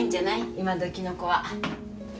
今どきの子は。